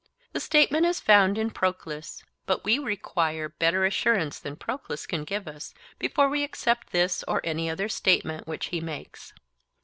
The statement is found in Proclus; but we require better assurance than Proclus can give us before we accept this or any other statement which he makes.